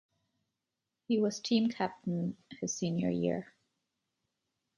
He was team captain his senior year.